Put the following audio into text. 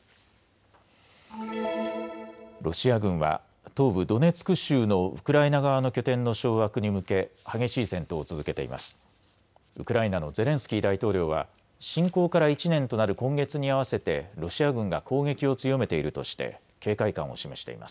ロシア軍は東部ドネツク州のウクライナ側の拠点の掌握に向け激しい戦闘を続けています。